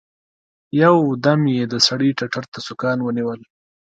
يو دم يې د سړي ټتر ته سوکان ونيول.